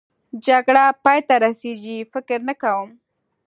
جګړه پای ته رسېږي؟ فکر نه کوم.